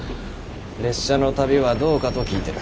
列車の旅はどうかと聞いてる。